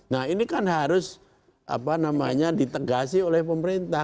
nah ini kan harus ditegasi oleh pemerintah